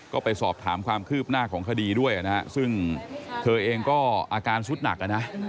ก็ไปสอบถามความคืบหน้าของคดีด้วยนะฮะซึ่งเธอเองก็อาการสุดหนักอ่ะนะ